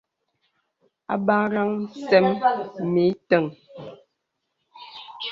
Àbakraŋ sə̀m mə ìtəŋ.